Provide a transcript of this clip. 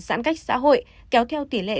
giãn cách xã hội kéo theo tỷ lệ